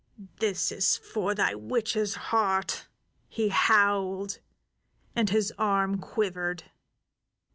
"This for thy witch's heart!" he howled, and his arm quivered.